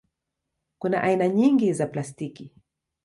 Kuna aina nyingi za plastiki.